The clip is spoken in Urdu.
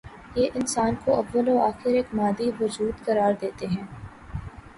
یہ انسان کو اوّ ل و آخر ایک مادی وجود قرار دیتے ہیں۔